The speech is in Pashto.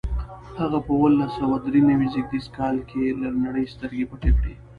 هغه په اوولس سوه درې نوي زېږدیز کال له نړۍ سترګې پټې کړې.